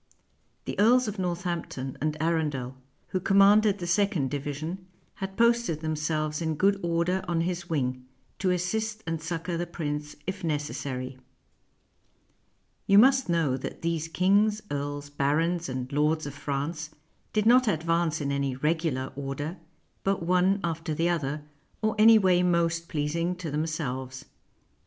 The earls of Northampton and Arundel, who commanded the second division, had posted themselves in good order on his wing, to assist and succor the prince if necessary. You must know that these kings, earls, barons, and lords of France did not advance in any regular order, but one after the other, or any way most pleasing to them selves.